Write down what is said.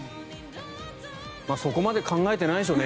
そこまで考えてないでしょうね